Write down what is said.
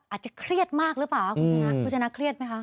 อาจจะเครียดมากหรือเปล่าครูจันทร์ครูจันทร์เครียดไหมคะ